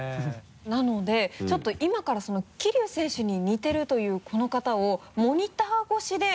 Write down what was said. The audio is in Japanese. なのでちょっと今からその桐生選手に似てるというこの方をモニター越しで。